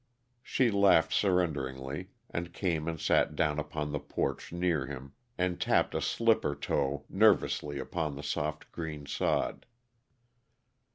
She laughed surrenderingly, and came and sat down upon the porch near him, and tapped a slipper toe nervously upon the soft, green sod.